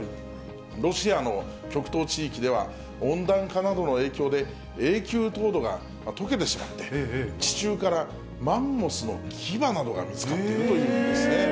ロシアの極東地域では、温暖化などの影響で、永久凍土がとけてしまって、地中からマンモスの牙などが見つかっているというんですね。